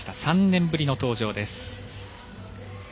３年ぶりの登場です。